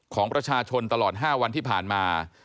ของประชาชนตลอด๕วันที่ผ่านมา